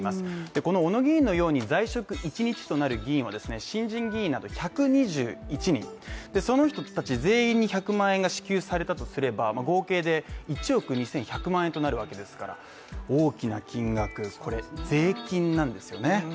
この小野議員のように在職１日となる議員は新人議員など１２１人でその人たち全員に１００万円が支給されたとすれば合計で１億２１００万円となるわけですから大きな金額、これ税金なんですよね